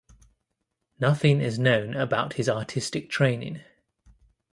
Nothing is known about his artistic training.